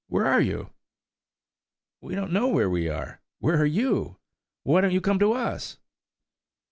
Where are you?" "We don't know where we are. Where are you? Why don't you come to us?"